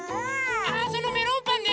あそのメロンパンね！